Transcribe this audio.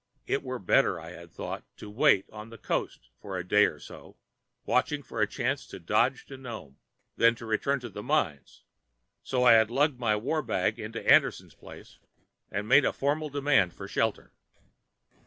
It were better, I had thought, to wait on the coast for a day or so, watching for a chance to dodge to Nome, than to return to the mines, so I had lugged my war bag into Anderson's place and made formal demand for shelter.